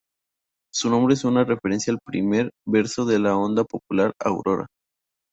Su nombre es una referencia al primer verso de la oda popular "Aurora".